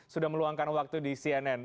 sudah meluangkan waktu di cnn